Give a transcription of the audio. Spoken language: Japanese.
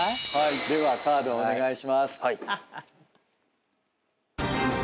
ではカードをお願いします。